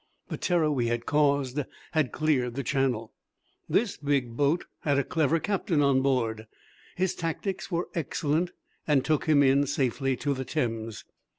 The terror we had caused had cleared the Channel. This big boat had a clever captain on board. His tactics were excellent and took him in safety to the Thames.